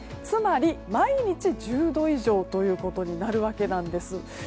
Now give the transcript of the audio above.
つまり、毎日１０度以上ということになるわけです。